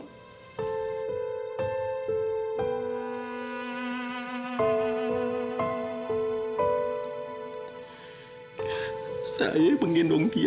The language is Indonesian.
tidak ada yang bisa menghormati saya